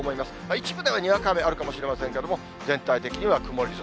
一部では、にわか雨あるかもしれませんけれども、全体的には曇り空。